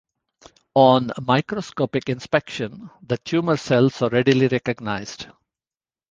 On microscopic inspection, the tumor cells are readily recognized.